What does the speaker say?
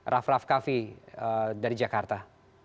raff raff kaffi dari jakarta